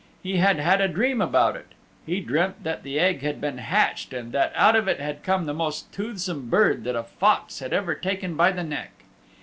He had had a dream about it. He dreamt that the Egg had been hatched and that out of it had come the most toothsome bird that a Fox had ever taken by the neck.